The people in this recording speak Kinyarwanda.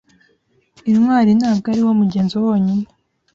Intwari ntabwo ariwo mugenzo wonyine